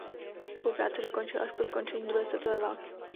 Svou práci dokončili až po skončení druhé světové války.